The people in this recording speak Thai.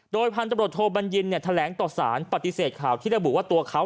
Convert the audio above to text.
โดยพันธุ์ตำรวจโทบัญญินแถลงต่อสารปฏิเสธข่าวที่ระบุว่าตัวเขา